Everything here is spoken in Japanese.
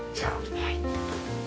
はい。